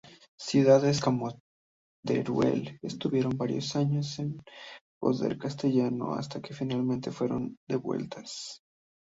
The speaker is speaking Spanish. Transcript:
Ciudades como Teruel estuvieron varios años en poder castellano hasta que finalmente fueron devueltas.